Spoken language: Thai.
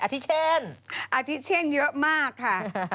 อาธิเช่นอาธิเช่นเยอะมากค่ะ